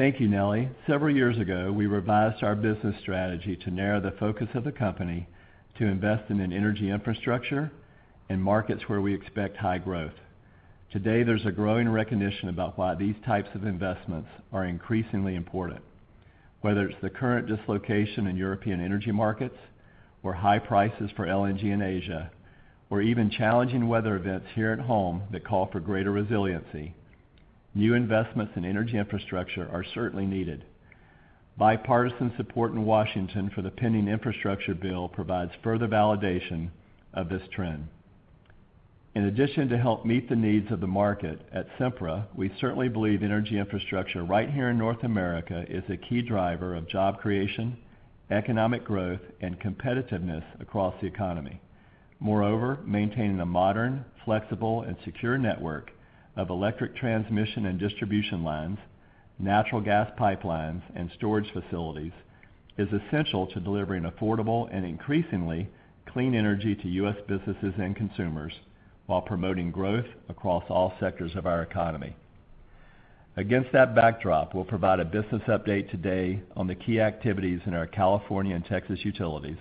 Thank you, Nelly. Several years ago, we revised our business strategy to narrow the focus of the company to invest in an energy infrastructure and markets where we expect high growth. Today, there's a growing recognition about why these types of investments are increasingly important. Whether it's the current dislocation in European energy markets or high prices for LNG in Asia, or even challenging weather events here at home that call for greater resiliency, new investments in energy infrastructure are certainly needed. Bipartisan support in Washington for the pending infrastructure bill provides further validation of this trend. In addition, to help meet the needs of the market at Sempra, we certainly believe energy infrastructure right here in North America is a key driver of job creation, economic growth, and competitiveness across the economy. Moreover, maintaining a modern, flexible, and secure network of electric transmission and distribution lines, natural gas pipelines, and storage facilities is essential to delivering affordable and increasingly clean energy to U.S. businesses and consumers while promoting growth across all sectors of our economy. Against that backdrop, we'll provide a business update today on the key activities in our California and Texas Utilities.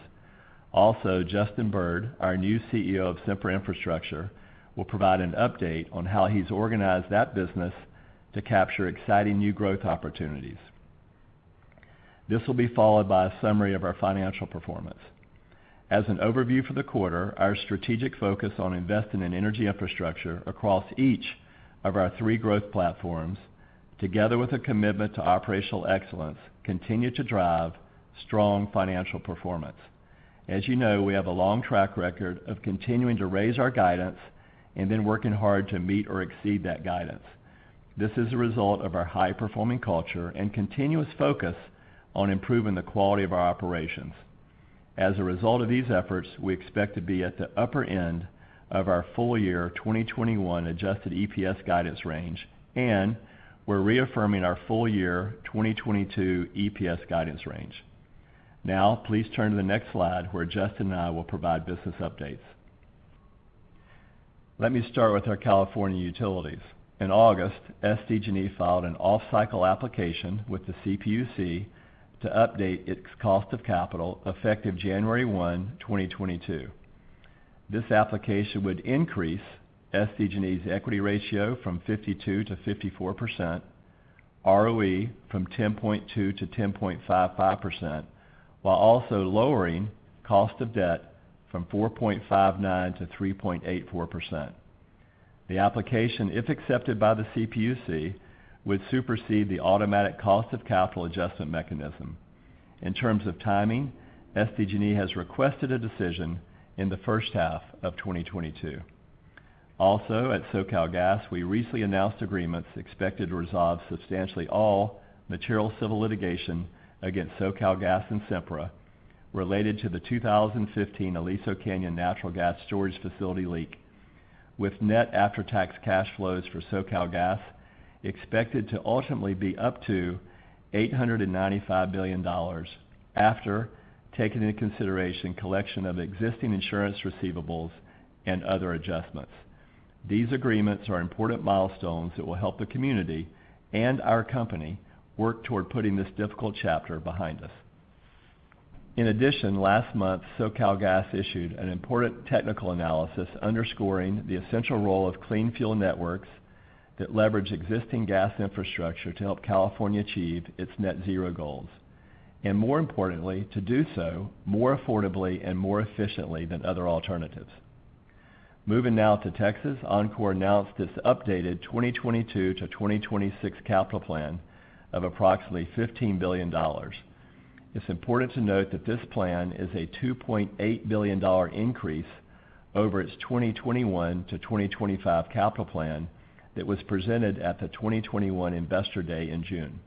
Also, Justin Bird, our new CEO of Sempra Infrastructure, will provide an update on how he's organized that business to capture exciting new growth opportunities. This will be followed by a summary of our financial performance. As an overview for the quarter, our strategic focus on investing in energy infrastructure across each of our three growth platforms, together with a commitment to operational excellence, continue to drive strong financial performance. As you know, we have a long track record of continuing to raise our guidance and then working hard to meet or exceed that guidance. This is a result of our high-performing culture and continuous focus on improving the quality of our operations. As a result of these efforts, we expect to be at the upper end of our full year 2021 adjusted EPS guidance range, and we're reaffirming our full year 2022 EPS guidance range. Now please turn to the next slide, where Justin and I will provide business updates. Let me start with our California Utilities. In August, SDG&E filed an off-cycle application with the CPUC to update its cost of capital effective January 1, 2022. This application would increase SDG&E's equity ratio from 52%-54%, ROE from 10.2%-10.55%, while also lowering cost of debt from 4.59%-3.84%. The application, if accepted by the CPUC, would supersede the automatic cost of capital adjustment mechanism. In terms of timing, SDG&E has requested a decision in the first half of 2022. Also, at SoCalGas, we recently announced agreements expected to resolve substantially all material civil litigation against SoCalGas and Sempra related to the 2015 Aliso Canyon natural gas storage facility leak. With net after-tax cash flows for SoCalGas expected to ultimately be up to $895 million after taking into consideration collection of existing insurance receivables and other adjustments. These agreements are important milestones that will help the community and our company work toward putting this difficult chapter behind us. In addition, last month, SoCalGas issued an important technical analysis underscoring the essential role of clean fuel networks that leverage existing gas infrastructure to help California achieve its net-zero goals, and more importantly, to do so more affordably and more efficiently than other alternatives. Moving now to Texas, Oncor announced its updated 2022-2026 capital plan of approximately $15 billion. It's important to note that this plan is a $2.8 billion increase over its 2021-2025 capital plan that was presented at the 2021 Investor Day in June.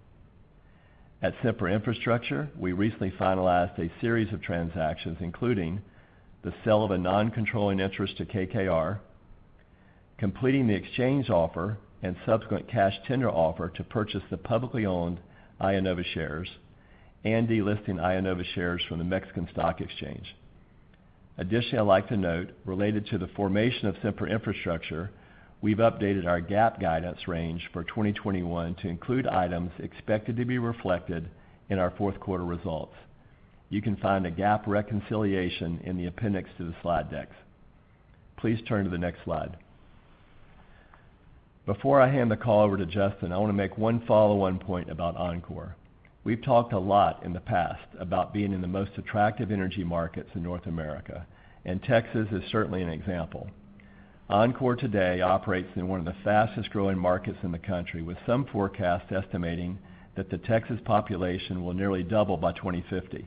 At Sempra Infrastructure, we recently finalized a series of transactions, including the sale of a non-controlling interest to KKR, completing the exchange offer and subsequent cash tender offer to purchase the publicly owned IEnova shares, and delisting IEnova shares from the Mexican Stock Exchange. Additionally, I'd like to note, related to the formation of Sempra Infrastructure, we've updated our GAAP guidance range for 2021 to include items expected to be reflected in our fourth quarter results. You can find a GAAP reconciliation in the appendix to the slide decks. Please turn to the next slide. Before I hand the call over to Justin, I wanna make one follow-on point about Oncor. We've talked a lot in the past about being in the most attractive energy markets in North America, and Texas is certainly an example. Oncor today operates in one of the fastest-growing markets in the country, with some forecasts estimating that the Texas population will nearly double by 2050.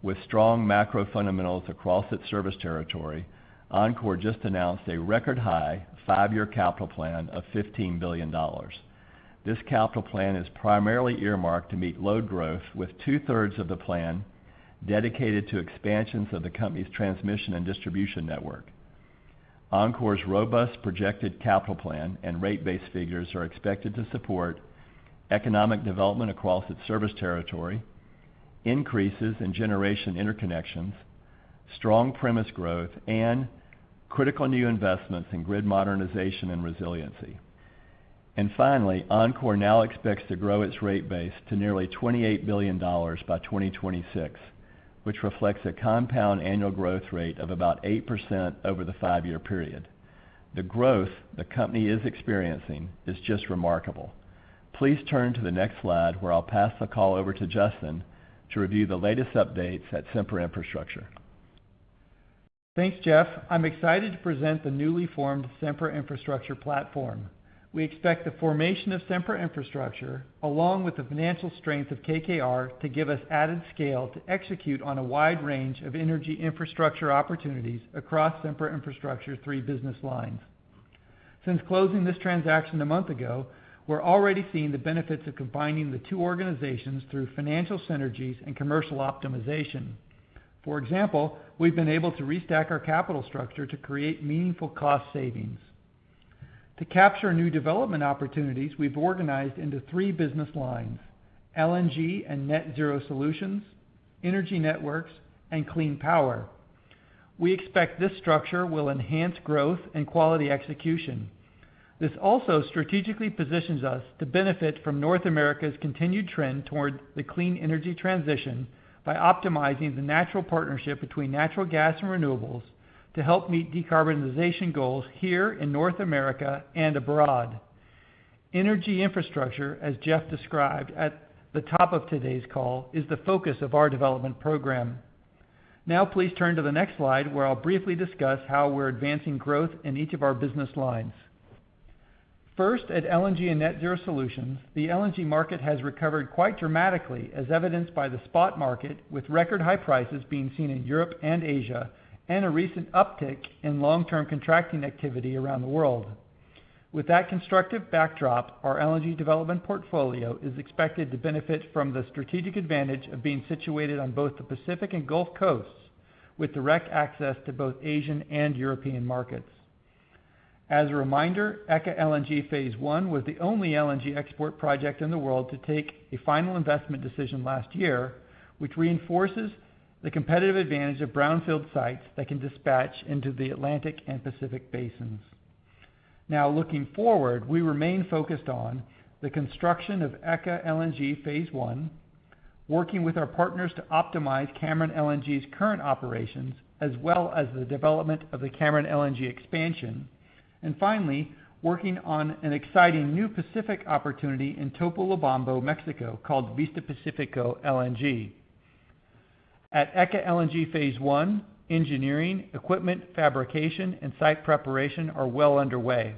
With strong macro fundamentals across its service territory, Oncor just announced a record high five-year capital plan of $15 billion. This capital plan is primarily earmarked to meet load growth, with two-thirds of the plan dedicated to expansions of the company's transmission and distribution network. Oncor's robust projected capital plan and rate base figures are expected to support economic development across its service territory, increases in generation interconnections, strong premise growth and critical new investments in grid modernization and resiliency. Finally, Oncor now expects to grow its rate base to nearly $28 billion by 2026, which reflects a compound annual growth rate of about 8% over the five-year period. The growth the company is experiencing is just remarkable. Please turn to the next slide, where I'll pass the call over to Justin to review the latest updates at Sempra Infrastructure. Thanks, Jeff. I'm excited to present the newly formed Sempra Infrastructure platform. We expect the formation of Sempra Infrastructure, along with the financial strength of KKR, to give us added scale to execute on a wide range of energy infrastructure opportunities across Sempra Infrastructure's three business lines. Since closing this transaction a month ago, we're already seeing the benefits of combining the two organizations through financial synergies and commercial optimization. For example, we've been able to restack our capital structure to create meaningful cost savings. To capture new development opportunities, we've organized into three business lines, LNG and Net-Zero Solutions, Energy Networks, and Clean Power. We expect this structure will enhance growth and quality execution. This also strategically positions us to benefit from North America's continued trend towards the clean energy transition by optimizing the natural partnership between natural gas and renewables to help meet decarbonization goals here in North America and abroad. Energy infrastructure, as Jeff described at the top of today's call, is the focus of our development program. Now please turn to the next slide, where I'll briefly discuss how we're advancing growth in each of our business lines. First, at LNG and Net-Zero Solutions, the LNG market has recovered quite dramatically as evidenced by the spot market, with record high prices being seen in Europe and Asia and a recent uptick in long-term contracting activity around the world. With that constructive backdrop, our LNG development portfolio is expected to benefit from the strategic advantage of being situated on both the Pacific and Gulf Coasts with direct access to both Asian and European markets. As a reminder, ECA LNG Phase I was the only LNG export project in the world to take a final investment decision last year, which reinforces the competitive advantage of brownfield sites that can dispatch into the Atlantic and Pacific basins. Now looking forward, we remain focused on the construction of ECA LNG Phase I, working with our partners to optimize Cameron LNG's current operations, as well as the development of the Cameron LNG expansion, and finally, working on an exciting new Pacific opportunity in Topolobampo, Mexico, called Vista Pacífico LNG. At ECA LNG Phase I, engineering, equipment, fabrication, and site preparation are well underway.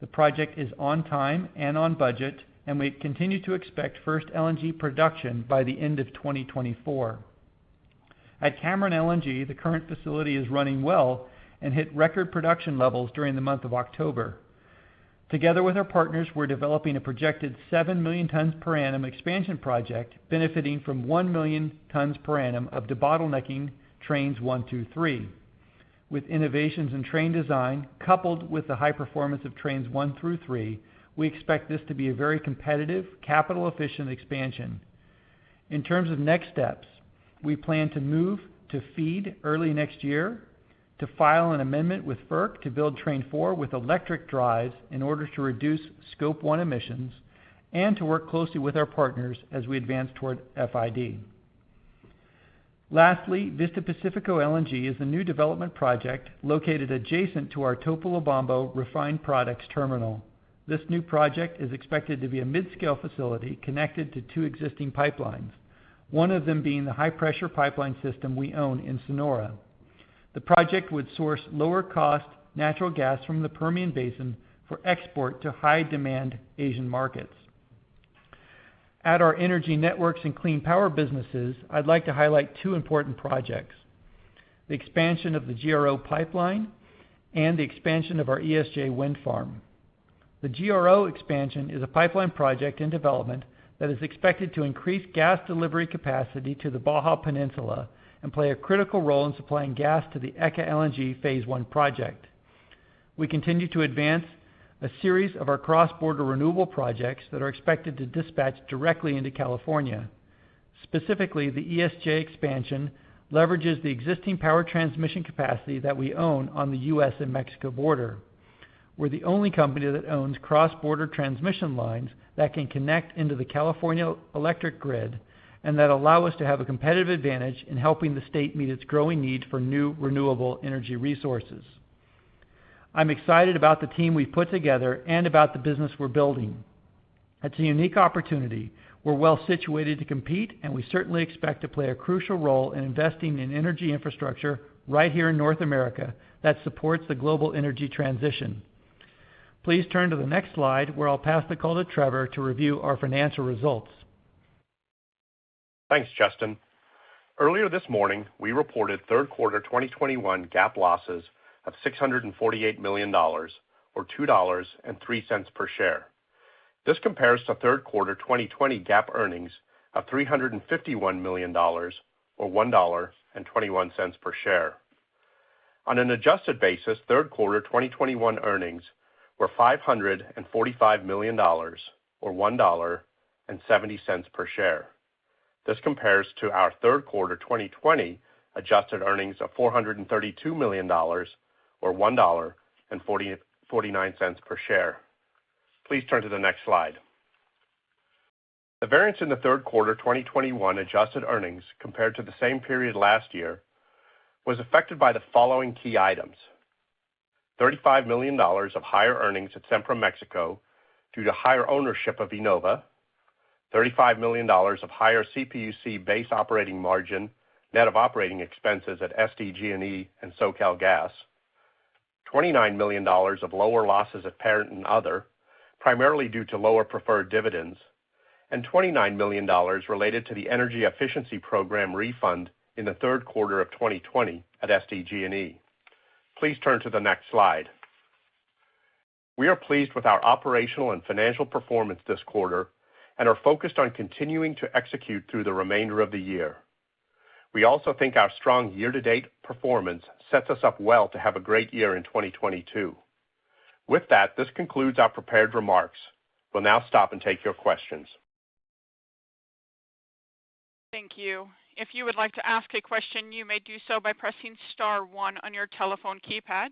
The project is on time and on budget, and we continue to expect first LNG production by the end of 2024. At Cameron LNG, the current facility is running well and hit record production levels during the month of October. Together with our partners, we're developing a projected 7 million tons per annum expansion project benefiting from 1 million tons per annum of debottlenecking Trains 1, 2, 3. With innovations in train design coupled with the high performance of Train 1 through Three, we expect this to be a very competitive, capital-efficient expansion. In terms of next steps, we plan to move to FEED early next year, to file an amendment with FERC to build Train 4 with electric drives in order to reduce Scope 1 emissions, and to work closely with our partners as we advance toward FID. Lastly, Vista Pacífico LNG is a new development project located adjacent to our Topolobampo Refined Products Terminal. This new project is expected to be a mid-scale facility connected to two existing pipelines, one of them being the high-pressure pipeline system we own in Sonora. The project would source lower-cost natural gas from the Permian Basin for export to high-demand Asian markets. At our Energy Networks and Clean Power businesses, I'd like to highlight two important projects, the expansion of the GRO pipeline and the expansion of our ESJ wind farm. The GRO expansion is a pipeline project in development that is expected to increase gas delivery capacity to the Baja Peninsula and play a critical role in supplying gas to the ECA LNG Phase I project. We continue to advance a series of our cross-border renewable projects that are expected to dispatch directly into California. Specifically, the ESJ expansion leverages the existing power transmission capacity that we own on the U.S. and Mexico border. We're the only company that owns cross-border transmission lines that can connect into the California electric grid and that allow us to have a competitive advantage in helping the state meet its growing need for new renewable energy resources. I'm excited about the team we've put together and about the business we're building. It's a unique opportunity. We're well situated to compete, and we certainly expect to play a crucial role in investing in energy infrastructure right here in North America that supports the global energy transition. Please turn to the next slide, where I'll pass the call to Trevor to review our financial results. Thanks, Justin. Earlier this morning, we reported third quarter 2021 GAAP losses of $648 million or $2.03 per share. This compares to third quarter 2020 GAAP earnings of $351 million or $1.21 per share. On an adjusted basis, third quarter 2021 earnings were $545 million or $1.70 per share. This compares to our third quarter 2020 adjusted earnings of $432 million or $1.49 per share. Please turn to the next slide. The variance in the third quarter 2021 adjusted earnings compared to the same period last year was affected by the following key items: $35 million of higher earnings at Sempra Mexico due to higher ownership of IEnova, $35 million of higher CPUC base operating margin net of operating expenses at SDG&E and SoCalGas, $29 million of lower losses at parent and other, primarily due to lower preferred dividends, and $29 million related to the energy efficiency program refund in the third quarter of 2020 at SDG&E. Please turn to the next slide. We are pleased with our operational and financial performance this quarter and are focused on continuing to execute through the remainder of the year. We also think our strong year-to-date performance sets us up well to have a great year in 2022. With that, this concludes our prepared remarks. We'll now stop and take your questions. Thank you. If you would like to ask a question, you may do so by pressing star one on your telephone keypad.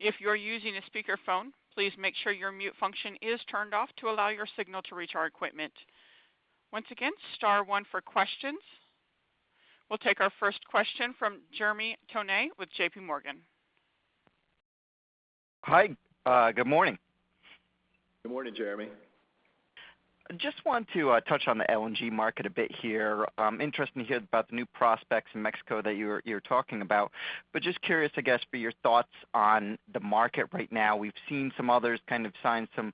If you're using a speakerphone, please make sure your mute function is turned off to allow your signal to reach our equipment. Once again, star one for questions. We'll take our first question from Jeremy Tonet with JPMorgan. Hi, good morning. Good morning, Jeremy. Just want to touch on the LNG market a bit here. Interesting to hear about the new prospects in Mexico that you're talking about, but just curious, I guess, for your thoughts on the market right now. We've seen some others kind of sign some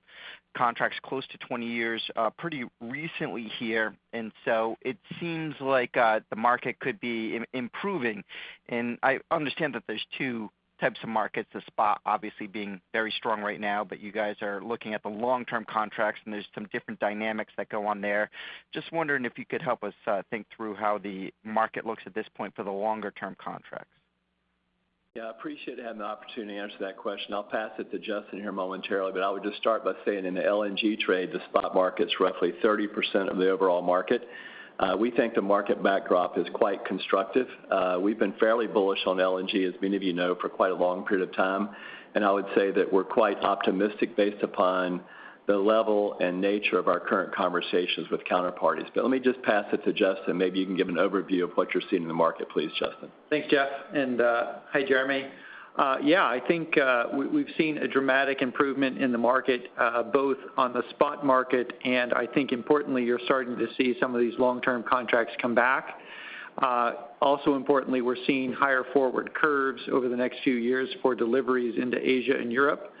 contracts close to 20 years, pretty recently here, and so it seems like the market could be improving. I understand that there's two types of markets, the spot obviously being very strong right now, but you guys are looking at the long-term contracts, and there's some different dynamics that go on there. Just wondering if you could help us think through how the market looks at this point for the longer term contracts. Yeah, I appreciate having the opportunity to answer that question. I'll pass it to Justin here momentarily, but I would just start by saying in the LNG trade, the spot market's roughly 30% of the overall market. We think the market backdrop is quite constructive. We've been fairly bullish on LNG, as many of you know, for quite a long period of time, and I would say that we're quite optimistic based upon the level and nature of our current conversations with counterparties. Let me just pass it to Justin. Maybe you can give an overview of what you're seeing in the market, please, Justin. Thanks, Jeff, and hi, Jeremy. Yeah, I think we've seen a dramatic improvement in the market both on the spot market, and I think importantly, you're starting to see some of these long-term contracts come back. Also importantly, we're seeing higher forward curves over the next few years for deliveries into Asia and Europe.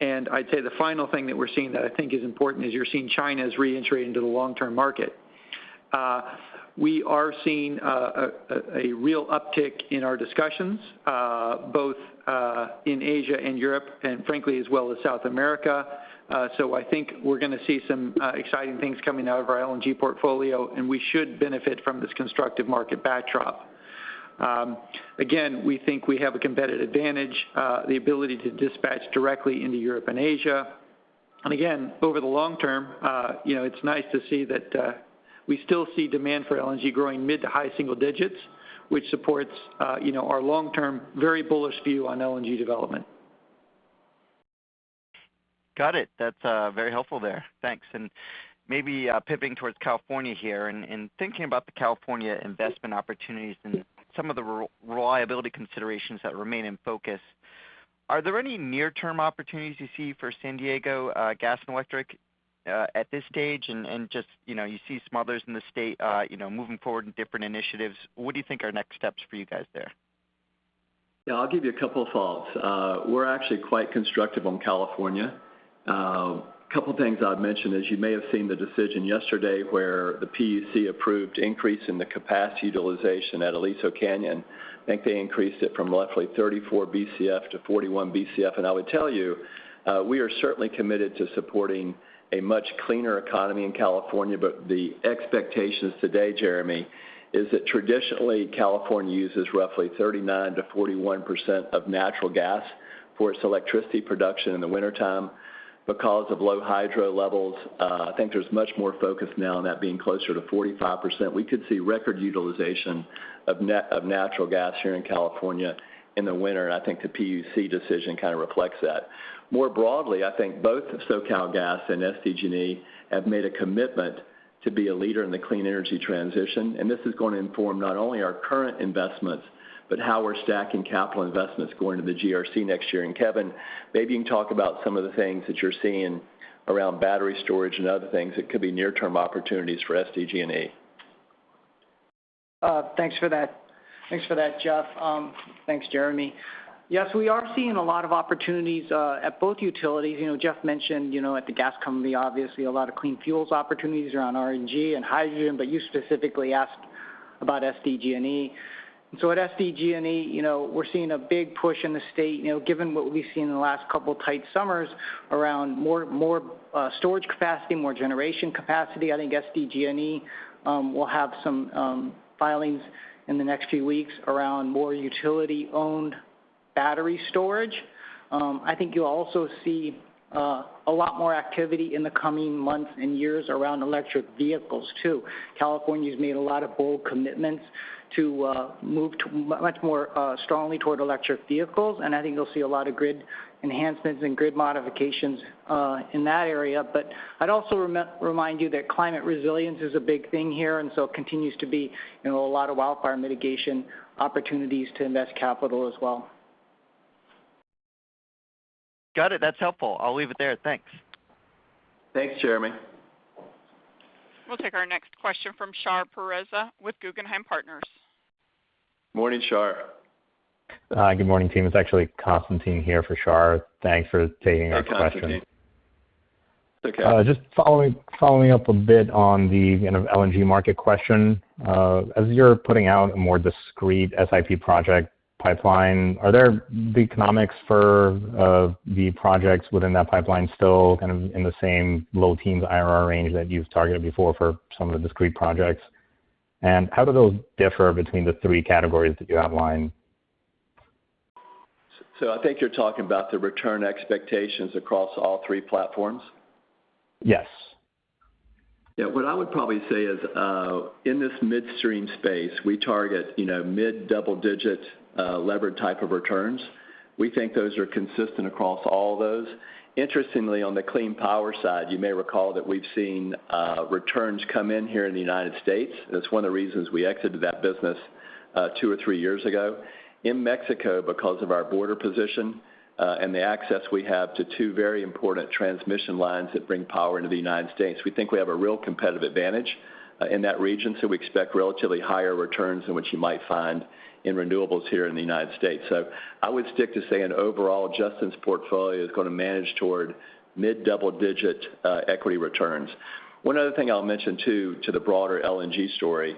I'd say the final thing that we're seeing that I think is important is you're seeing China is reentering into the long-term market. We are seeing a real uptick in our discussions both in Asia and Europe and frankly, as well as South America. I think we're gonna see some exciting things coming out of our LNG portfolio, and we should benefit from this constructive market backdrop. Again, we think we have a competitive advantage, the ability to dispatch directly into Europe and Asia. Again, over the long term, you know, it's nice to see that we still see demand for LNG growing mid- to high-single digits, which supports you know, our long-term very bullish view on LNG development. Got it. That's very helpful there. Thanks. Maybe pivoting towards California here and thinking about the California investment opportunities and some of the reliability considerations that remain in focus. Are there any near-term opportunities you see for San Diego Gas & Electric at this stage? Just, you know, you see some others in the state, you know, moving forward in different initiatives. What do you think are next steps for you guys there? Yeah, I'll give you a couple thoughts. We're actually quite constructive on California. Couple things I'd mention is you may have seen the decision yesterday where the CPUC approved increase in the capacity utilization at Aliso Canyon. I think they increased it from roughly 34 Bcf to 41 Bcf. I would tell you, we are certainly committed to supporting a much cleaner economy in California. The expectations today, Jeremy, is that traditionally, California uses roughly 39%-41% of natural gas for its electricity production in the wintertime because of low hydro levels. I think there's much more focus now on that being closer to 45%. We could see record utilization of natural gas here in California in the winter, and I think the CPUC decision kind of reflects that. More broadly, I think both SoCalGas and SDG&E have made a commitment to be a leader in the clean energy transition, and this is gonna inform not only our current investments, but how we're stacking capital investments going to the GRC next year. Kevin, maybe you can talk about some of the things that you're seeing around battery storage and other things that could be near-term opportunities for SDG&E. Thanks for that. Thanks for that, Jeff. Thanks, Jeremy. Yes, we are seeing a lot of opportunities at both Utilities. You know, Jeff mentioned at the gas company, obviously a lot of clean fuels opportunities around RNG and hydrogen, but you specifically asked about SDG&E. At SDG&E we're seeing a big push in the state, you know, given what we've seen in the last couple tight summers around more storage capacity, more generation capacity. I think SDG&E will have some filings in the next few weeks around more utility-owned battery storage. I think you'll also see a lot more activity in the coming months and years around electric vehicles too. California's made a lot of bold commitments to move to much more strongly toward electric vehicles, and I think you'll see a lot of grid enhancements and grid modifications in that area. I'd also remind you that climate resilience is a big thing here, and so it continues to be, you know, a lot of wildfire mitigation opportunities to invest capital as well. Got it. That's helpful. I'll leave it there. Thanks. Thanks, Jeremy. We'll take our next question from Shah Pourreza with Guggenheim Partners. Morning, Shah. Hi, good morning, team. It's actually Constantine here for Shah. Thanks for taking our question. Hi, Constatine. It's okay. Just following up a bit on the, you know, LNG market question. As you're putting out a more discrete SIP project pipeline, are the economics for the projects within that pipeline still kind of in the same low teens IRR range that you've targeted before for some of the discrete projects? And how do those differ between the three categories that you outlined? I think you're talking about the return expectations across all three platforms. Yes. Yeah. What I would probably say is, in this midstream space, we target, you know, mid-double-digit, levered type of returns. We think those are consistent across all those. Interestingly, on the Clean Power side, you may recall that we've seen, returns come in here in the United States. That's one of the reasons we exited that business, two or three years ago. In Mexico, because of our border position, and the access we have to two very important transmission lines that bring power into the United States. We think we have a real competitive advantage, in that region, so we expect relatively higher returns than what you might find in renewables here in the United States. I would stick to say an overall Justin's portfolio is gonna manage toward mid-double-digit, equity returns. One other thing I'll mention too to the broader LNG story.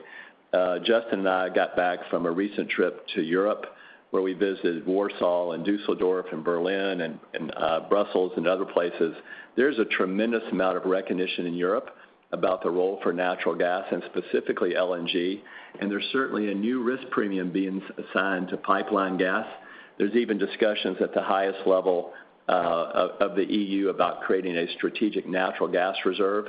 Justin and I got back from a recent trip to Europe where we visited Warsaw and Düsseldorf and Berlin and Brussels and other places. There's a tremendous amount of recognition in Europe about the role for natural gas and specifically LNG, and there's certainly a new risk premium being assigned to pipeline gas. There's even discussions at the highest level of the EU about creating a strategic natural gas reserve.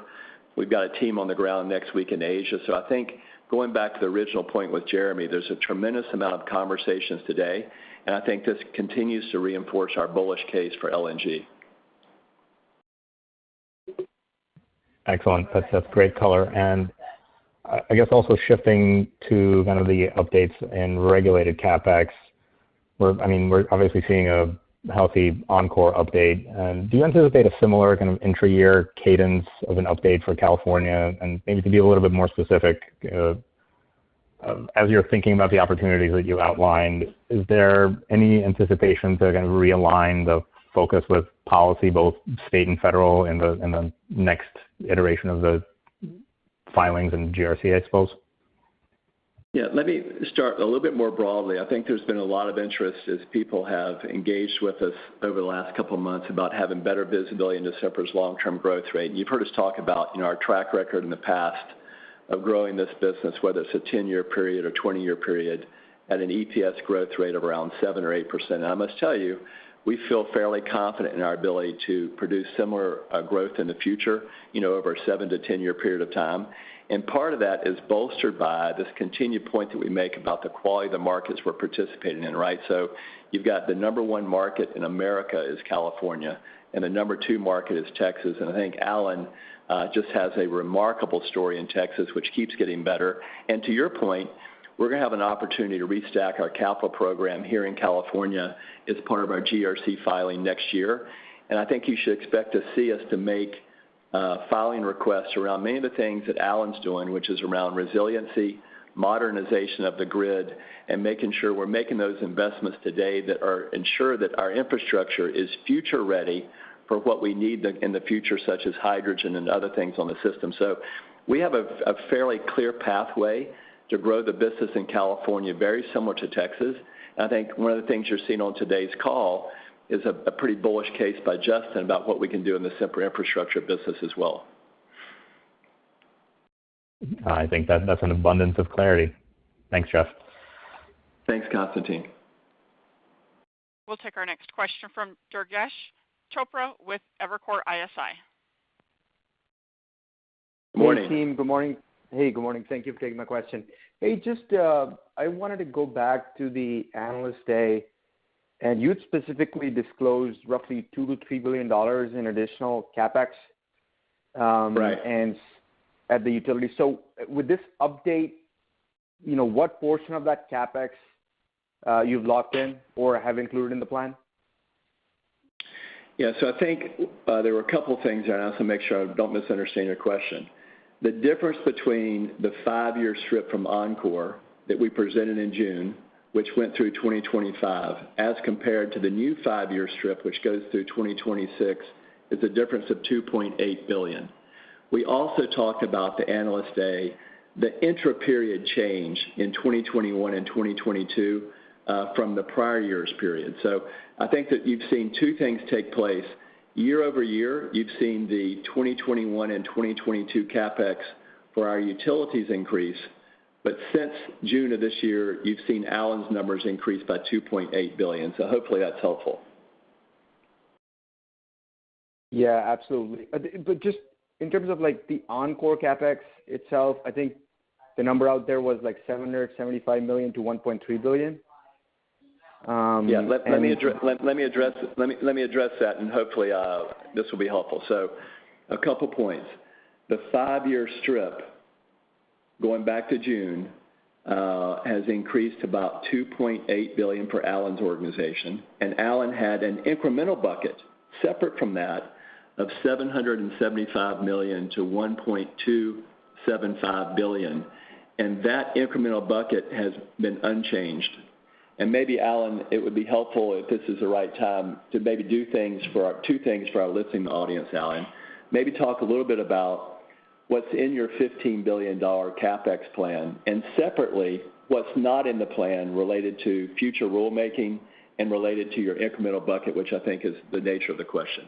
We've got a team on the ground next week in Asia. I think going back to the original point with Jeremy, there's a tremendous amount of conversations today, and I think this continues to reinforce our bullish case for LNG. Excellent. That's great color. I guess also shifting to kind of the updates in regulated CapEx. I mean, we're obviously seeing a healthy Oncor update. Do you anticipate a similar kind of intra-year cadence of an update for California? Maybe to be a little bit more specific, as you're thinking about the opportunities that you outlined, is there any anticipation they're gonna realign the focus with policy, both state and federal in the next iteration of the filings and GRC, I suppose? Yeah. Let me start a little bit more broadly. I think there's been a lot of interest as people have engaged with us over the last couple of months about having better visibility into Sempra's long-term growth rate. You've heard us talk about, you know, our track record in the past of growing this business, whether it's a 10-year period or 20-year period, at an EPS growth rate of around 7% or 8%. I must tell you, we feel fairly confident in our ability to produce similar growth in the future, you know, over a 7- to 10-year period of time. Part of that is bolstered by this continued point that we make about the quality of the markets we're participating in, right? You've got the number one market in America is California, and the number two market is Texas. I think Allen just has a remarkable story in Texas, which keeps getting better. To your point, we're gonna have an opportunity to restack our capital program here in California as part of our GRC filing next year. I think you should expect to see us make filing requests around many of the things that Allen's doing, which is around resiliency, modernization of the grid, and making sure we're making those investments today that ensure that our infrastructure is future ready for what we need in the future, such as hydrogen and other things on the system. We have a fairly clear pathway to grow the business in California, very similar to Texas. I think one of the things you're seeing on today's call is a pretty bullish case by Justin about what we can do in the Sempra Infrastructure business as well. I think that's an abundance of clarity. Thanks, Jeff. Thanks, Constatine. We'll take our next question from Durgesh Chopra with Evercore ISI. Morning. Good morning team. Good morning. Hey, good morning. Thank you for taking my question. Hey, just, I wanted to go back to the Analyst Day, and you'd specifically disclosed roughly $2 billion-$3 billion in additional CapEx, at the utility. With this update, you know, what portion of that CapEx you've locked in or have included in the plan? Yeah. I think, there were a couple of things there, and I want to make sure I don't misunderstand your question. The difference between the five-year strip from Oncor that we presented in June, which went through 2025, as compared to the new five-year strip, which goes through 2026, is a difference of $2.8 billion. We also talked about the Analyst Day, the intra-period change in 2021 and 2022, from the prior year's period. I think that you've seen two things take place. Year-over-year, you've seen the 2021 and 2022 CapEx for our Utilities increase. Since June of this year, you've seen Alan's numbers increase by $2.8 billion. Hopefully that's helpful. Yeah, absolutely. Just in terms of like the Oncor CapEx itself, I think the number out there was like $775 million to $1.3 billion. Yeah. Let me address that and hopefully, this will be helpful. A couple points. The five-year strip going back to June has increased about $2.8 billion for Allen's organization, and Allen had an incremental bucket separate from that of $775 million-$1.275 billion. That incremental bucket has been unchanged. Maybe Allen, it would be helpful if this is the right time to maybe do two things for our listening audience, Allen. Maybe talk a little bit about what's in your $15 billion CapEx plan, and separately, what's not in the plan related to future rulemaking and related to your incremental bucket, which I think is the nature of the question.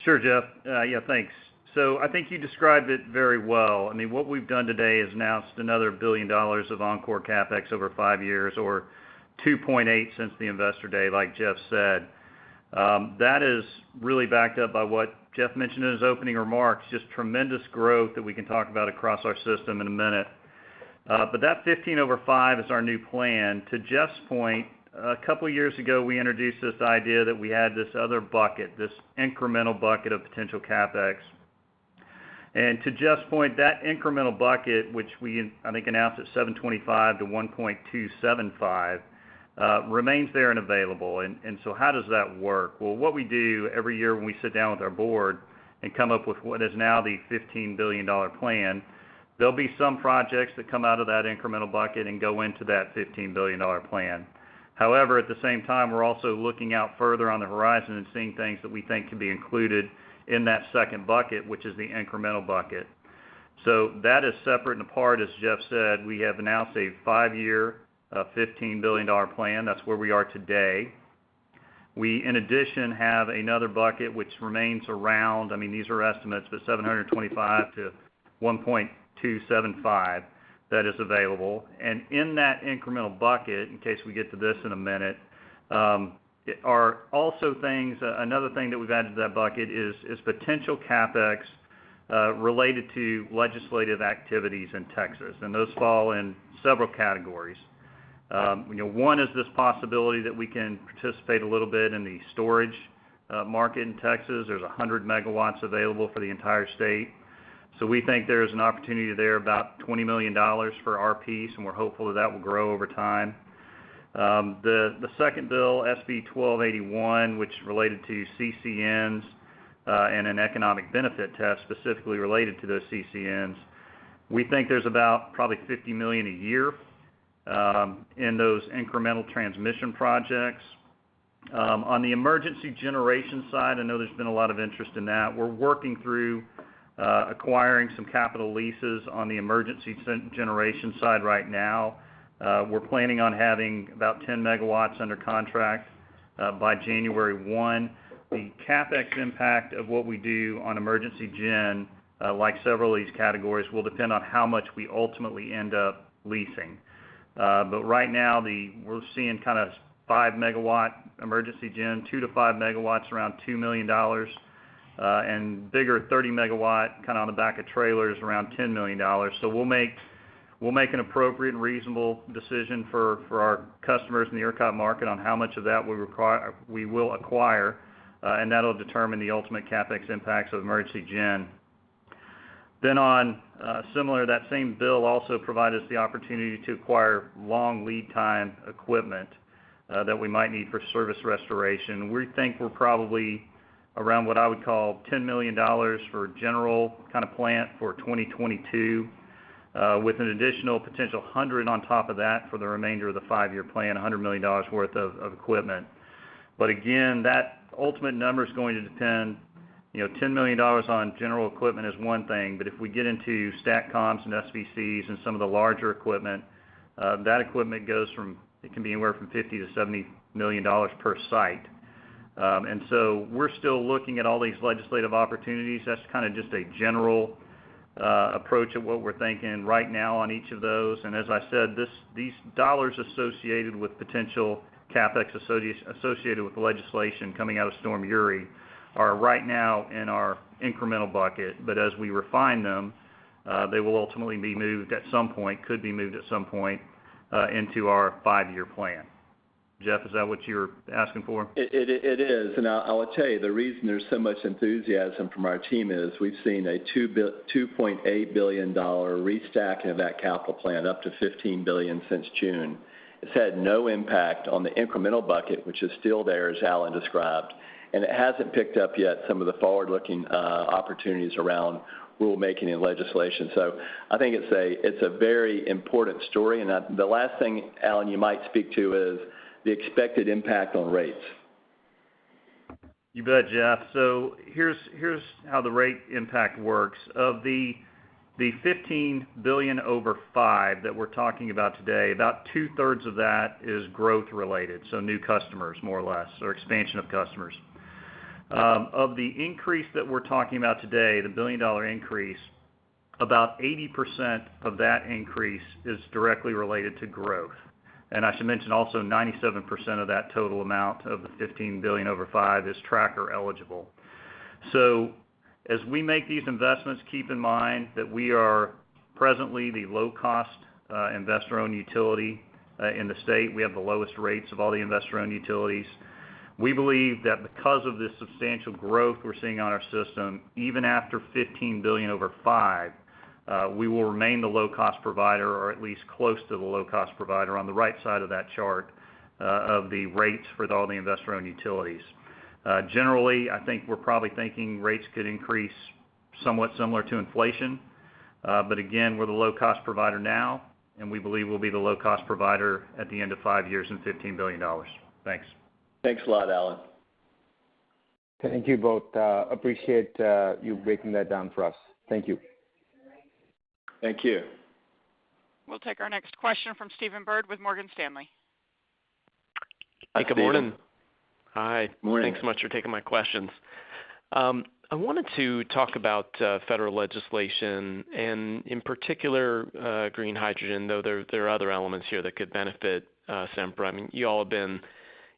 Sure, Jeff. Yeah, thanks. I think you described it very well. I mean, what we've done today is announced another $1 billion of Oncor CapEx over five years, or $2.8 billion since the Investor Day, like Jeff said. That is really backed up by what Jeff mentioned in his opening remarks, just tremendous growth that we can talk about across our system in a minute. That 15 over 5 is our new plan. To Jeff's point, a couple years ago, we introduced this idea that we had this other bucket, this incremental bucket of potential CapEx. To Jeff's point, that incremental bucket, which we, I think, announced at $725 million-$1.275 billion, remains there and available. How does that work? Well, what we do every year when we sit down with our board and come up with what is now the $15 billion plan, there'll be some projects that come out of that incremental bucket and go into that $15 billion plan. However, at the same time, we're also looking out further on the horizon and seeing things that we think could be included in that second bucket, which is the incremental bucket. That is separate and apart, as Jeff said. We have announced a five-year $15 billion plan. That's where we are today. We, in addition, have another bucket which remains around. I mean, these are estimates, but $725 million-$1.275 billion that is available. In that incremental bucket, in case we get to this in a minute, are also things, another thing that we've added to that bucket is potential CapEx related to legislative activities in Texas, and those fall in several categories. You know, one is this possibility that we can participate a little bit in the storage market in Texas. There's 100 MW available for the entire state. So we think there's an opportunity there about $20 million for our piece, and we're hopeful that that will grow over time. The second bill, SB 1281, which is related to CCNs, and an economic benefit test specifically related to those CCNs, we think there's about probably $50 million a year in those incremental transmission projects. On the emergency generation side, I know there's been a lot of interest in that. We're working through acquiring some capital leases on the emergency generation side right now. We're planning on having about 10 MW under contract by January 1. The CapEx impact of what we do on emergency gen, like several of these categories, will depend on how much we ultimately end up leasing. But right now, we're seeing kind of 5 MW emergency gen, 2-5 MW around $2 million, and bigger 30 MW, kind of on the back of trailers, around $10 million. We'll make an appropriate and reasonable decision for our customers in the ERCOT market on how much of that we will acquire, and that'll determine the ultimate CapEx impacts of emergency gen. That same bill also provide us the opportunity to acquire long lead time equipment that we might need for service restoration. We think we're probably around what I would call $10 million for general kind of plant for 2022 with an additional potential $100 million on top of that for the remainder of the five-year plan, $100 million worth of equipment. But again, that ultimate number is going to depend, you know, $10 million on general equipment is one thing, but if we get into STATCOMs and SVCs and some of the larger equipment, that equipment goes from it can be anywhere from $50 million to $70 million per site. We're still looking at all these legislative opportunities. That's kind of just a general approach of what we're thinking right now on each of those. As I said, these dollars associated with potential CapEx associated with the legislation coming out of Winter Storm Uri are right now in our incremental bucket. As we refine them, they will ultimately be moved at some point, could be moved at some point, into our five-year plan. Jeff, is that what you're asking for? It is. I will tell you, the reason there's so much enthusiasm from our team is we've seen a $2.8 billion restack of that capital plan up to $15 billion since June. It's had no impact on the incremental bucket, which is still there, as Alan described, and it hasn't picked up yet some of the forward-looking opportunities around rulemaking and legislation. I think it's a very important story. The last thing, Alan, you might speak to is the expected impact on rates. You bet, Jeff. Here's how the rate impact works. Of the $15 billion over 5 that we're talking about today, about two-thirds of that is growth-related, so new customers more or less, or expansion of customers. Of the increase that we're talking about today, the $1 billion increase, about 80% of that increase is directly related to growth. I should mention also 97% of that total amount of the $15 billion over 5 is tracker eligible. As we make these investments, keep in mind that we are presently the low-cost investor-owned utility in the state. We have the lowest rates of all the investor-owned utilities. We believe that because of the substantial growth we're seeing on our system, even after $15 billion over 5, we will remain the low-cost provider, or at least close to the low-cost provider on the right side of that chart, of the rates for all the investor-owned utilities. Generally, I think we're probably thinking rates could increase somewhat similar to inflation. Again, we're the low-cost provider now, and we believe we'll be the low-cost provider at the end of five years and $15 billion. Thanks. Thanks a lot, Alan. Thank you both. I appreciate you breaking that down for us. Thank you. Thank you. We'll take our next question from Stephen Byrd with Morgan Stanley. Hi, Stephen. Good morning. Hi. Morning. Thanks so much for taking my questions. I wanted to talk about federal legislation and in particular green hydrogen, though there are other elements here that could benefit Sempra. I mean, you all have been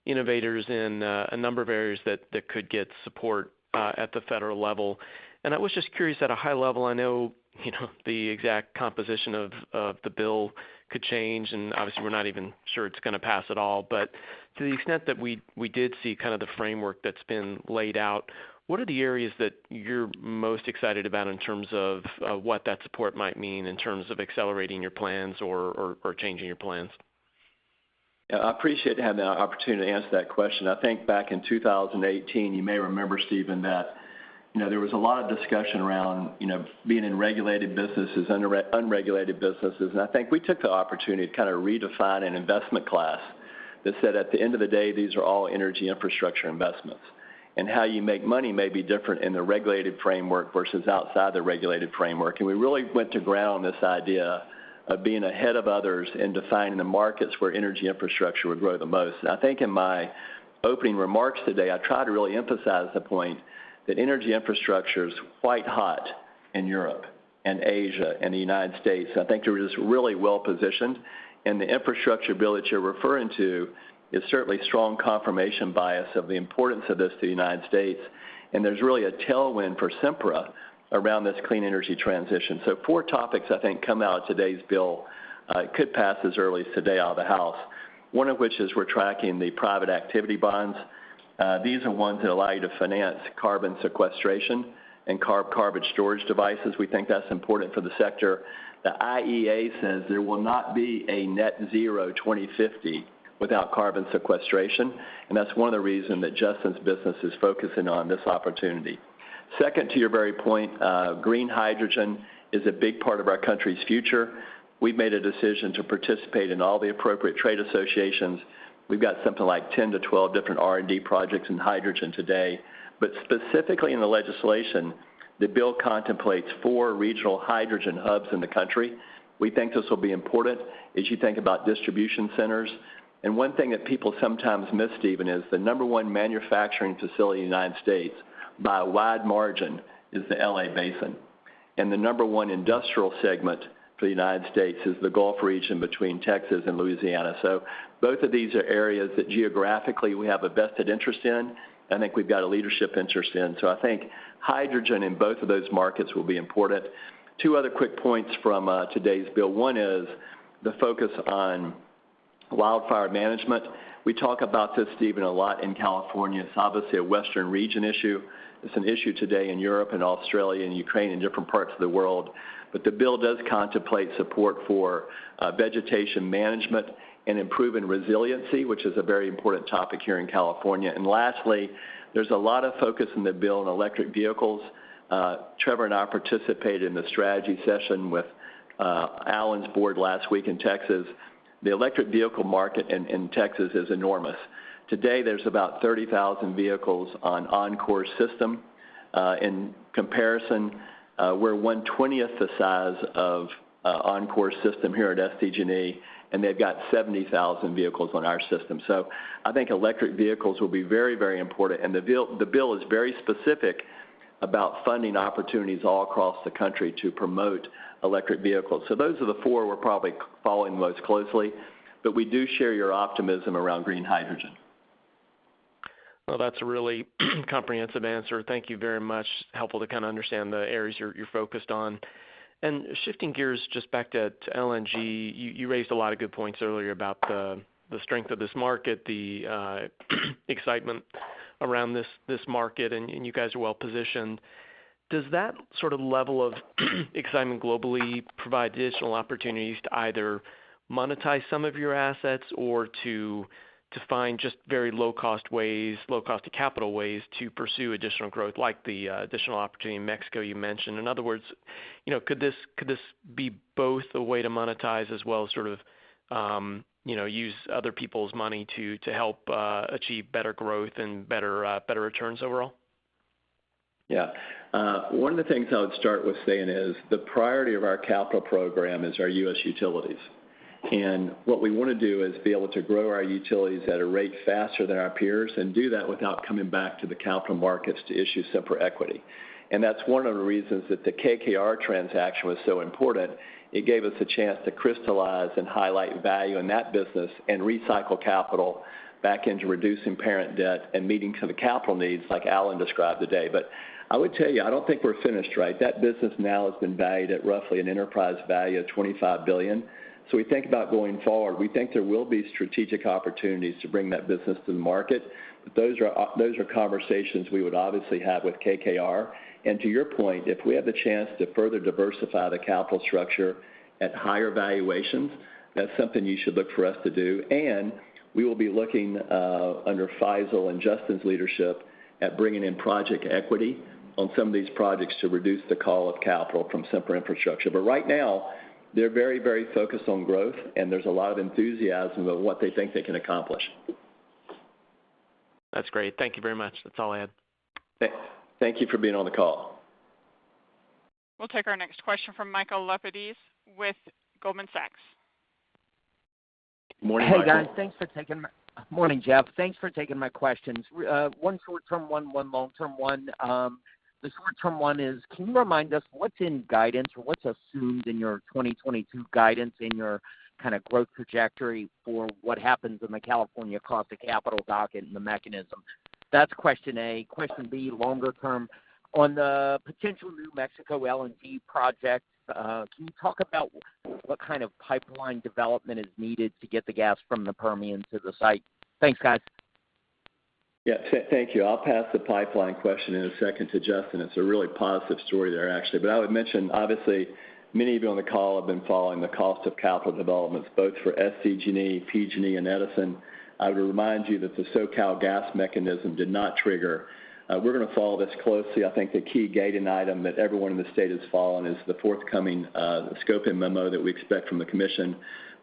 innovators in a number of areas that could get support at the federal level. I was just curious at a high level, I know, you know, the exact composition of the bill could change, and obviously we're not even sure it's gonna pass at all. To the extent that we did see kind of the framework that's been laid out, what are the areas that you're most excited about in terms of what that support might mean in terms of accelerating your plans or changing your plans? Yeah. I appreciate having the opportunity to answer that question. I think back in 2018, you may remember, Stephen, that, you know, there was a lot of discussion around, you know, being in regulated businesses, unregulated businesses. I think we took the opportunity to kind of redefine an investment class that said, at the end of the day, these are all energy infrastructure investments. How you make money may be different in the regulated framework versus outside the regulated framework. We really went to ground this idea of being ahead of others in defining the markets where energy infrastructure would grow the most. I think in my opening remarks today, I tried to really emphasize the point that energy infrastructure is quite hot in Europe and Asia and the United States. I think we're just really well-positioned, and the infrastructure bill that you're referring to is certainly strong confirmation bias of the importance of this to the United States. There's really a tailwind for Sempra around this clean energy transition. Four topics I think come out of today's bill, could pass as early as today out of the House, one of which is we're tracking the private activity bonds. These are ones that allow you to finance carbon sequestration and carbon storage devices. We think that's important for the sector. The IEA says there will not be a net-zero 2050 without carbon sequestration, and that's one of the reasons that Justin's business is focusing on this opportunity. Second, to your very point, green hydrogen is a big part of our country's future. We've made a decision to participate in all the appropriate trade associations. We've got something like 10-12 different R&D projects in hydrogen today, but specifically in the legislation, the bill contemplates four regional hydrogen hubs in the country. We think this will be important as you think about distribution centers. One thing that people sometimes miss, Stephen, is the number one manufacturing facility in the United States by a wide margin is the L.A. Basin, and the number one industrial segment for the United States is the Gulf region between Texas and Louisiana. Both of these are areas that geographically we have a vested interest in, I think we've got a leadership interest in. I think hydrogen in both of those markets will be important. Two other quick points from today's bill. One is the focus on wildfire management. We talk about this, Stephen, a lot in California. It's obviously a Western region issue. It's an issue today in Europe and Australia and Ukraine and different parts of the world. The bill does contemplate support for vegetation management and improving resiliency, which is a very important topic here in California. Lastly, there's a lot of focus in the bill on electric vehicles. Trevor and I participated in the strategy session with Alan's board last week in Texas. The electric vehicle market in Texas is enormous. Today there's about 30,000 vehicles on Oncor's system. In comparison, we're one-twentieth the size of Oncor's system here at SDG&E, and they've got 70,000 vehicles on our system. I think electric vehicles will be very, very important. The bill is very specific about funding opportunities all across the country to promote electric vehicles. Those are the four we're probably following most closely, but we do share your optimism around green hydrogen. Well, that's a really comprehensive answer. Thank you very much. Helpful to kind of understand the areas you're focused on. Shifting gears just back to LNG, you raised a lot of good points earlier about the strength of this market, the excitement around this market, and you guys are well-positioned. Does that sort of level of excitement globally provide additional opportunities to either monetize some of your assets or to find just very low-cost ways, low cost of capital ways to pursue additional growth like the additional opportunity in Mexico you mentioned? In other words, you know, could this be both a way to monetize as well as sort of, you know, use other people's money to help achieve better growth and better returns overall? Yeah. One of the things I would start with saying is the priority of our capital program is our U.S. utilities. What we wanna do is be able to grow our utilities at a rate faster than our peers, and do that without coming back to the capital markets to issue Sempra equity. That's one of the reasons that the KKR transaction was so important. It gave us a chance to crystallize and highlight value in that business and recycle capital back into reducing parent debt and meeting some of the capital needs like Allen described today. I would tell you, I don't think we're finished, right? That business now has been valued at roughly an enterprise value of $25 billion. We think about going forward, we think there will be strategic opportunities to bring that business to the market, but those are conversations we would obviously have with KKR. And to your point, if we have the chance to further diversify the capital structure at higher valuations, that's something you should look for us to do. And we will be looking under Faisel and Justin's leadership at bringing in project equity on some of these projects to reduce the call of capital from Sempra Infrastructure. But right now, they're very, very focused on growth and there's a lot of enthusiasm about what they think they can accomplish. That's great. Thank you very much. That's all I had. Thank you for being on the call. We'll take our next question from Michael Lapides with Goldman Sachs. Morning, Michael. Hey, guys. Morning, Jeff. Thanks for taking my questions. One short-term one long-term one. The short-term one is, can you remind us what's in guidance or what's assumed in your 2022 guidance in your kind of growth trajectory for what happens in the California cost of capital docket and the mechanism? That's question A. Question B, longer term, on the potential New Mexico LNG project, can you talk about what kind of pipeline development is needed to get the gas from the Permian to the site? Thanks, guys. Yeah. Thank you. I'll pass the pipeline question in a second to Justin. It's a really positive story there, actually. I would mention, obviously, many of you on the call have been following the cost of capital developments, both for SDG&E, PG&E, and Edison. I would remind you that the SoCalGas mechanism did not trigger. We're gonna follow this closely. I think the key gating item that everyone in the state has fallen on is the forthcoming scoping memo that we expect from the commission.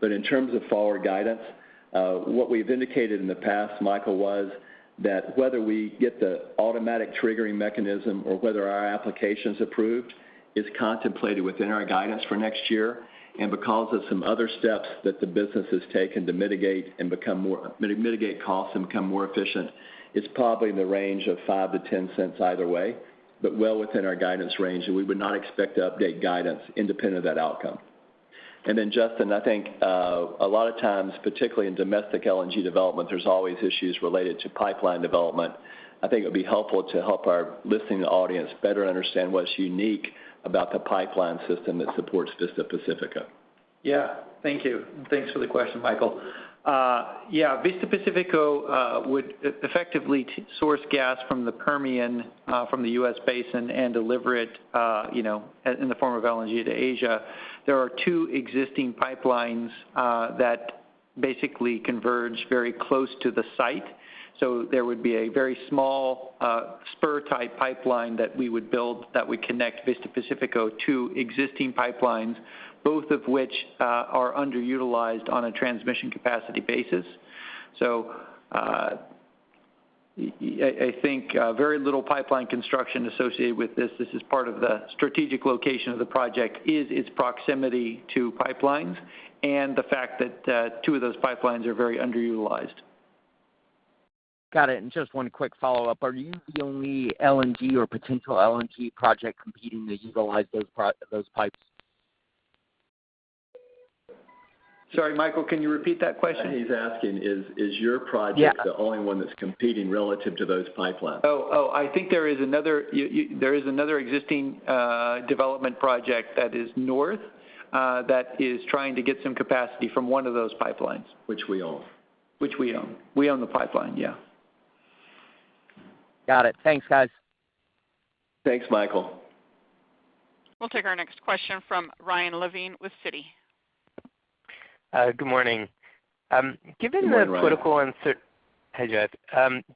In terms of forward guidance, what we've indicated in the past, Michael, was that whether we get the automatic triggering mechanism or whether our application's approved is contemplated within our guidance for next year. Because of some other steps that the business has taken to mitigate costs and become more efficient, it's probably in the range of $0.05-$0.10 either way, but well within our guidance range, and we would not expect to update guidance independent of that outcome. Then Justin, I think, a lot of times, particularly in domestic LNG development, there's always issues related to pipeline development. I think it would be helpful to help our listening audience better understand what's unique about the pipeline system that supports Vista Pacífico. Yeah. Thank you. Thanks for the question, Michael. Yeah. Vista Pacífico would effectively source gas from the Permian, from the U.S. basin and deliver it, you know, in the form of LNG to Asia. There are two existing pipelines that basically converge very close to the site. There would be a very small spur-type pipeline that we would build that would connect Vista Pacífico to existing pipelines, both of which are underutilized on a transmission capacity basis. I think very little pipeline construction associated with this. This is part of the strategic location of the project is its proximity to pipelines and the fact that two of those pipelines are very underutilized. Got it. Just one quick follow-up. Are you the only LNG or potential LNG project competing to utilize those pipes? Sorry, Michael, can you repeat that question? He's asking is your project the only one that's competing relative to those pipelines? I think there is another existing development project that is north that is trying to get some capacity from one of those pipelines. Which we own. Which we own. We own the pipeline, yeah. Got it. Thanks, guys. Thanks, Michael. We'll take our next question from Ryan Levine with Citi. Good morning. Good morning, Ryan. Hey, Jeff.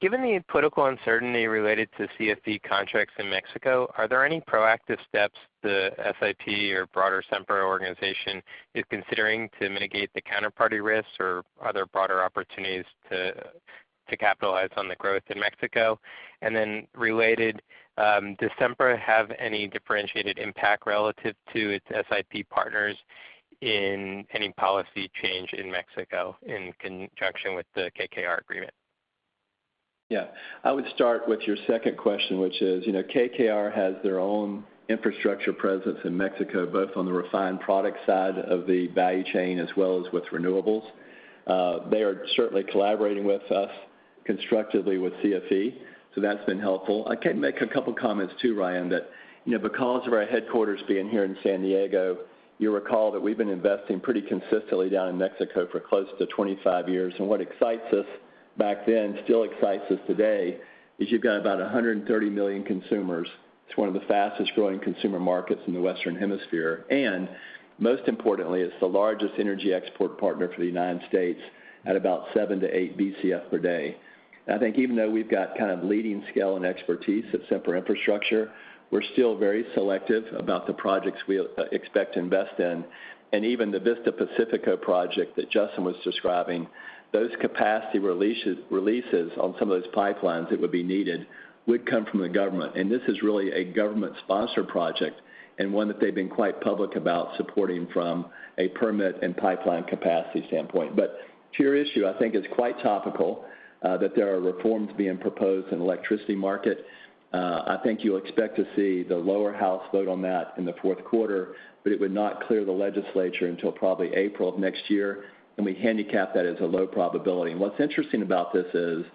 Given the political uncertainty related to CFE contracts in Mexico, are there any proactive steps the SIP or broader Sempra organization is considering to mitigate the counterparty risks or other broader opportunities to capitalize on the growth in Mexico? Related, does Sempra have any differentiated impact relative to its SIP partners in any policy change in Mexico in conjunction with the KKR agreement? Yeah. I would start with your second question, which is, you know, KKR has their own infrastructure presence in Mexico, both on the refined product side of the value chain as well as with renewables. They are certainly collaborating with us constructively with CFE, so that's been helpful. I can make a couple comments too, Ryan, that, you know, because of our headquarters being here in San Diego, you'll recall that we've been investing pretty consistently down in Mexico for close to 25 years. What excites us back then still excites us today, is you've got about 130 million consumers. It's one of the fastest growing consumer markets in the Western Hemisphere. Most importantly, it's the largest energy export partner for the United States at about 7-8 Bcf per day. I think even though we've got kind of leading scale and expertise at Sempra Infrastructure. We're still very selective about the projects we expect to invest in. Even the Vista Pacífico project that Justin was describing, those capacity releases on some of those pipelines that would be needed would come from the government. This is really a government-sponsored project and one that they've been quite public about supporting from a permit and pipeline capacity standpoint. To your issue, I think it's quite topical that there are reforms being proposed in electricity market. I think you'll expect to see the lower house vote on that in the fourth quarter, but it would not clear the legislature until probably April of next year, and we handicap that as a low probability. What's interesting about this is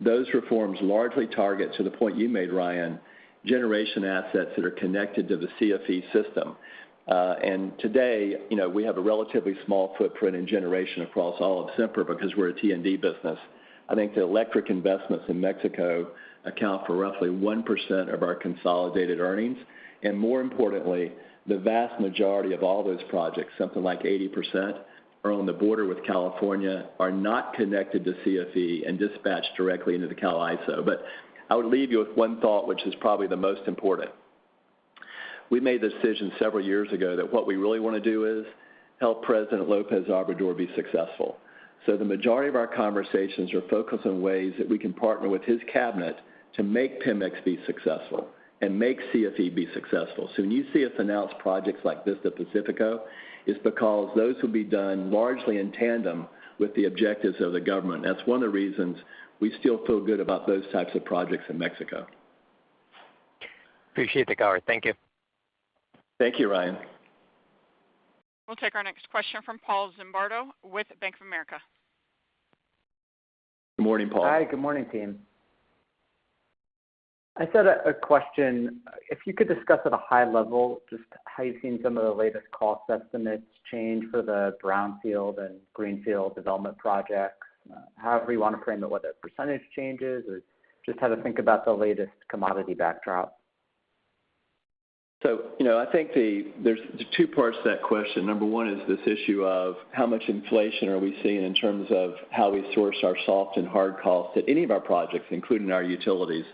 those reforms largely target, to the point you made, Ryan, generation assets that are connected to the CFE system. Today, you know, we have a relatively small footprint in generation across all of Sempra because we're a T&D business. I think the electric investments in Mexico account for roughly 1% of our consolidated earnings. More importantly, the vast majority of all those projects, something like 80%, are on the border with California, are not connected to CFE, and dispatch directly into the CAISO. I would leave you with one thought, which is probably the most important. We made the decision several years ago that what we really wanna do is help President López Obrador be successful. The majority of our conversations are focused on ways that we can partner with his cabinet to make Pemex be successful and make CFE be successful. When you see us announce projects like Vista Pacífico, it's because those will be done largely in tandem with the objectives of the government. That's one of the reasons we still feel good about those types of projects in Mexico. Appreciate the color. Thank you. Thank you, Ryan. We'll take our next question from Paul Zimbardo with Bank of America. Good morning, Paul. Hi, good morning, team. I just had a question. If you could discuss at a high level just how you've seen some of the latest cost estimates change for the brownfield and greenfield development projects. However you wanna frame it, whether percentage changes or just how to think about the latest commodity backdrop. You know, I think there's two parts to that question. Number one is this issue of how much inflation are we seeing in terms of how we source our soft and hard costs at any of our projects, including our utilities.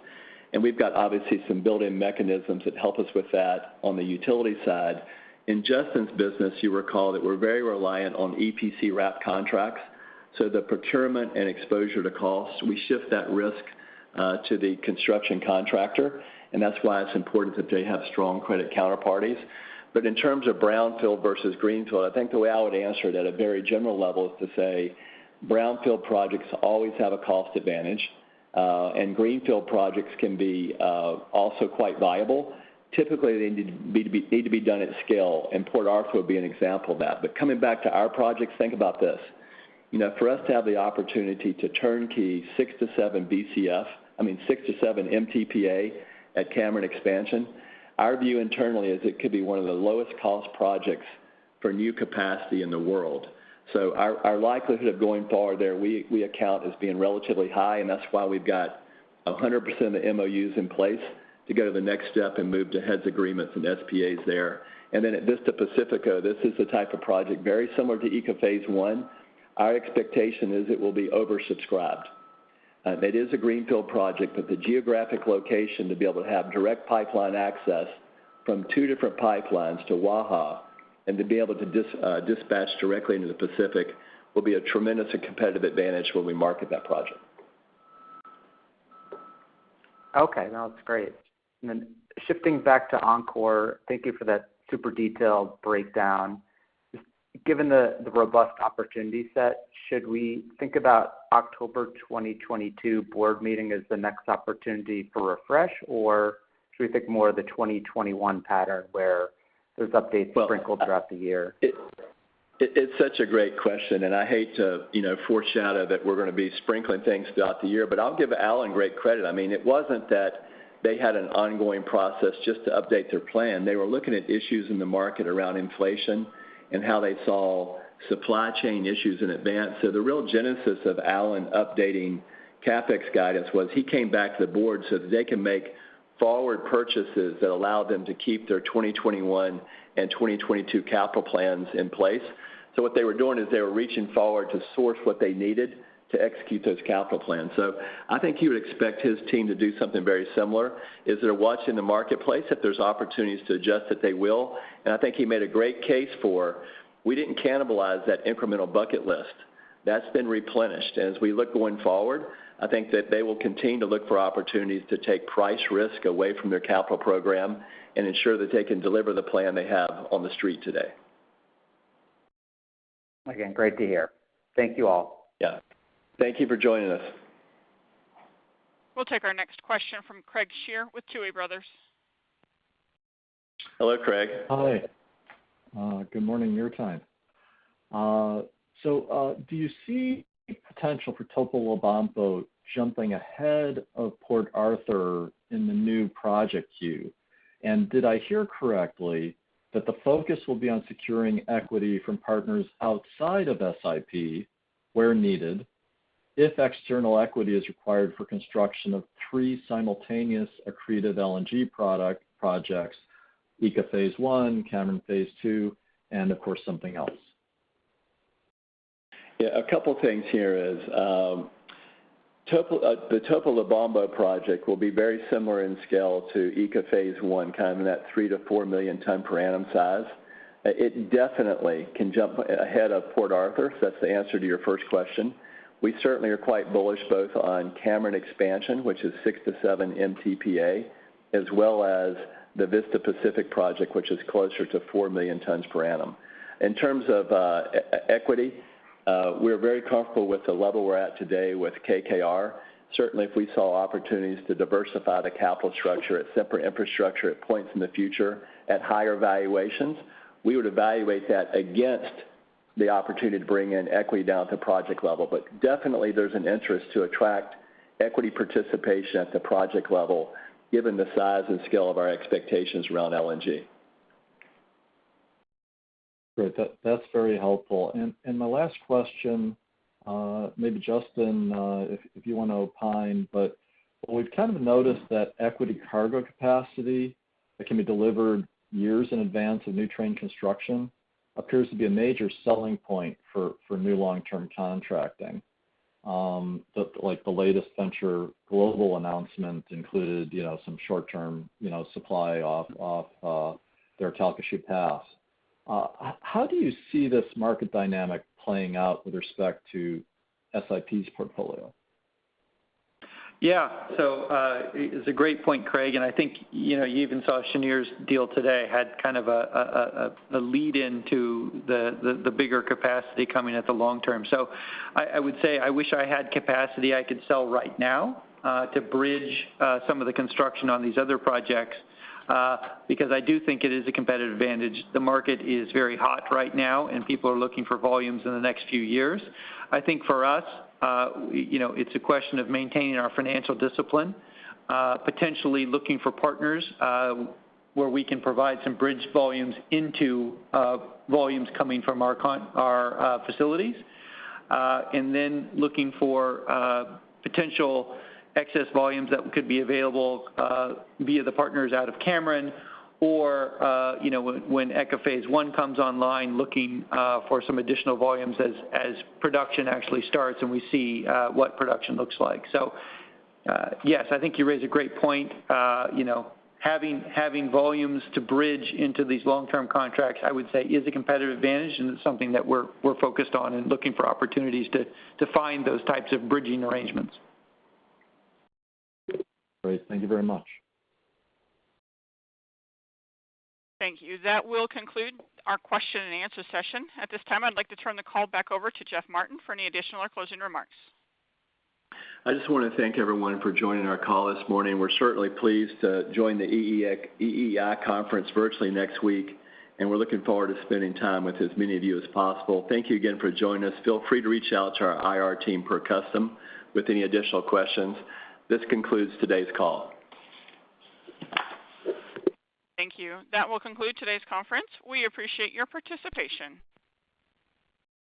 We've got, obviously, some built-in mechanisms that help us with that on the utility side. In Justin's business, you recall that we're very reliant on EPC wrap contracts. The procurement and exposure to costs, we shift that risk to the construction contractor, and that's why it's important that they have strong credit counterparties. In terms of brownfield versus greenfield, I think the way I would answer it at a very general level is to say brownfield projects always have a cost advantage, and greenfield projects can be also quite viable. Typically, they need to be done at scale, and Port Arthur would be an example of that. Coming back to our projects, think about this: You know, for us to have the opportunity to turnkey 6-7 Bcf, I mean, 6-7 MTPA at Cameron expansion, our view internally is it could be one of the lowest cost projects for new capacity in the world. Our likelihood of going forward there, we account as being relatively high, and that's why we've got 100% of the MOUs in place to go to the next step and move to heads of agreements and SPAs there. Then at Vista Pacífico, this is the type of project very similar to ECA Phase I. Our expectation is it will be oversubscribed. It is a greenfield project, but the geographic location to be able to have direct pipeline access from two different pipelines to Waha and to be able to dispatch directly into the Pacific will be a tremendous competitive advantage when we market that project. Okay. No, that's great. Shifting back to Oncor, thank you for that super detailed breakdown. Given the robust opportunity set, should we think about October 2022 board meeting as the next opportunity for refresh, or should we think more of the 2021 pattern where there's updates sprinkled throughout the year? It's such a great question, and I hate to, you know, foreshadow that we're gonna be sprinkling things throughout the year, but I'll give Allen great credit. I mean, it wasn't that they had an ongoing process just to update their plan. They were looking at issues in the market around inflation and how they saw supply chain issues in advance. The real genesis of Allen updating CapEx guidance was he came back to the board so that they can make forward purchases that allow them to keep their 2021 and 2022 capital plans in place. What they were doing is they were reaching forward to source what they needed to execute those capital plans. I think he would expect his team to do something very similar, as they're watching the marketplace, if there's opportunities to adjust, that they will. I think he made a great case for, we didn't cannibalize that incremental bucket list. That's been replenished. As we look going forward, I think that they will continue to look for opportunities to take price risk away from their capital program and ensure that they can deliver the plan they have on the street today. Again, great to hear. Thank you all. Yeah. Thank you for joining us. We'll take our next question from Craig Shere with Tuohy Brothers. Hello, Craig. Hi. Good morning your time. Do you see potential for Topolobampo jumping ahead of Port Arthur in the new project queue? Did I hear correctly that the focus will be on securing equity from partners outside of SIP, where needed, if external equity is required for construction of three simultaneous accretive LNG projects, ECA Phase I, Cameron Phase II, and of course, something else? Yeah, a couple things here is, the Topolobampo project will be very similar in scale to ECA Phase I, kind of in that 3-4 million tons per annum size. It definitely can jump ahead of Port Arthur. That's the answer to your first question. We certainly are quite bullish both on Cameron expansion, which is 6-7 MTPA, as well as the Vista Pacífico project, which is closer to 4 million tons per annum. In terms of equity, we're very comfortable with the level we're at today with KKR. Certainly, if we saw opportunities to diversify the capital structure at Sempra Infrastructure at points in the future at higher valuations, we would evaluate that against the opportunity to bring in equity down at the project level. Definitely there's an interest to attract equity participation at the project level given the size and scale of our expectations around LNG. Great. That's very helpful. My last question, maybe Justin, if you wanna opine, but what we've kind of noticed that equity cargo capacity that can be delivered years in advance of new train construction appears to be a major selling point for new long-term contracting. The latest Venture Global announcement included, you know, some short-term, you know, supply off their Calcasieu Pass. How do you see this market dynamic playing out with respect to SIP's portfolio? Yeah. It's a great point, Craig, and I think, you know, you even saw Cheniere's deal today had kind of a lead-in to the bigger capacity coming in the long term. I would say I wish I had capacity I could sell right now to bridge some of the construction on these other projects because I do think it is a competitive advantage. The market is very hot right now, and people are looking for volumes in the next few years. I think for us, you know, it's a question of maintaining our financial discipline, potentially looking for partners, where we can provide some bridge volumes into volumes coming from our facilities, and then looking for potential excess volumes that could be available via the partners out of Cameron or, you know, when ECA Phase I comes online, looking for some additional volumes as production actually starts and we see what production looks like. Yes, I think you raise a great point. You know, having volumes to bridge into these long-term contracts, I would say is a competitive advantage, and it's something that we're focused on and looking for opportunities to find those types of bridging arrangements. Great. Thank you very much. Thank you. That will conclude our question-and-answer session. At this time, I'd like to turn the call back over to Jeff Martin for any additional or closing remarks. I just wanna thank everyone for joining our call this morning. We're certainly pleased to join the EEI conference virtually next week, and we're looking forward to spending time with as many of you as possible. Thank you again for joining us. Feel free to reach out to our IR team per custom with any additional questions. This concludes today's call. Thank you. That will conclude today's conference. We appreciate your participation.